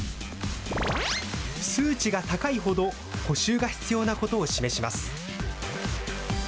数値が高いほど補修が必要なことを示します。